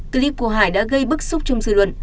clip của hải đã gây bức xúc trong dư luận